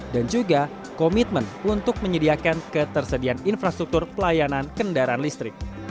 dan juga komitmen untuk menyediakan ketersediaan infrastruktur pelayanan kendaraan listrik